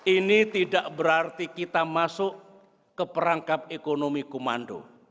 ini tidak berarti kita masuk ke perangkap ekonomi komando